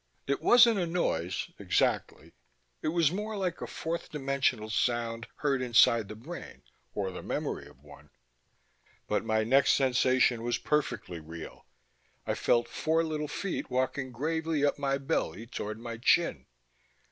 It wasn't a noise, exactly. It was more like a fourth dimensional sound heard inside the brain ... or the memory of one. But my next sensation was perfectly real. I felt four little feet walking gravely up my belly toward my chin.